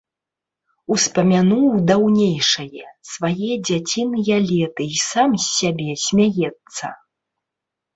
Успамянуў даўнейшае, свае дзяціныя леты й сам з сябе смяецца.